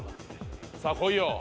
さあ来いよ。